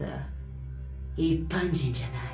一般人じゃない